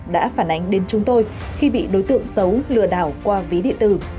đã phản ánh đến chúng tôi khi bị đối tượng xấu lừa đảo qua ví điện tử